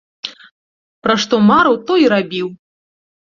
Пра што марыў, то і рабіў.